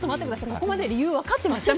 ここまで理由分かってました？